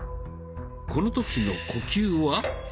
この時の呼吸は？